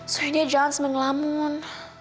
soalnya dia jalan sama yang ngelamun